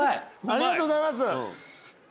ありがとうございます。